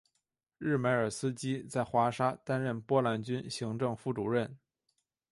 日梅尔斯基在华沙担任波兰军行政副主任。